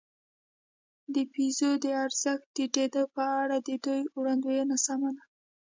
د پیزو د ارزښت ټیټېدو په اړه د دوی وړاندوېنه سمه وه.